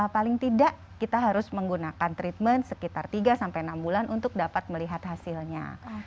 paling tidak kita harus menggunakan treatment sekitar tiga sampai enam bulan untuk dapat melihat hasilnya